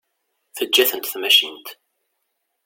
Teǧǧa-tent tmacint.